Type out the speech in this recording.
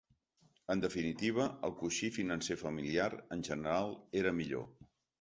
En definitiva, el coixí financer familiar, en general, era millor.